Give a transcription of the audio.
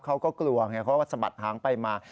เขาก็กลัวเขาสะบัดหางไปมา